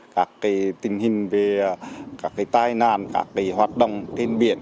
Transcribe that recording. các tình hình về các tai nạn các hoạt động trên biển